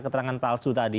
keterangan palsu tadi